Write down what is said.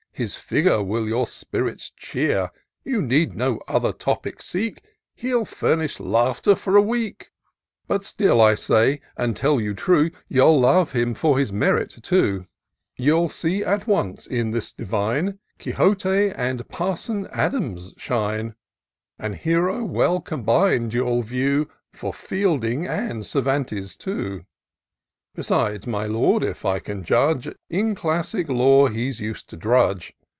His figure will your spirits cheer: You need no other topic seek; He'll fiimish laughter for a week : But still I say, and tell you true. You'll love him for his merit too. You'll see at once, in this divine, Quixote and Parson Adams shine: A hero well combin'd you'll view For Fielding and Cervantes too : Besides, my Lord, if I can judge. In classic lore he's us'd to drudge.